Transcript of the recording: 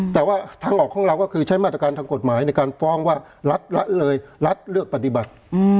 แต่ว่าทางออกของเราก็คือใช้มาตรการทางกฎหมายในการฟ้องว่ารัฐเลยรัฐเลือกปฏิบัติ